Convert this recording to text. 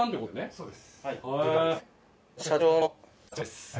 そうです。